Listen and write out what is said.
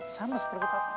sama seperti papa